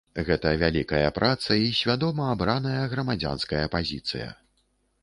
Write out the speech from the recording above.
Гэта вялікая праца і свядома абраная грамадзянская пазіцыя.